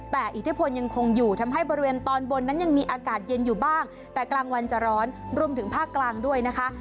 แต่อิทธิพลยังคงอยู่ทำให้บริเวณตอนบนนั้นยังมีอากาศเย็นอยู่บ้างแต่กลางวันจะร้อนรวมถึงภาคกลางด้วยนะคะ